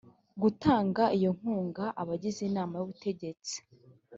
gutanga iyo nkunga abagize inama y ubutegetsi